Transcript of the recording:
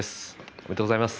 おめでとうございます。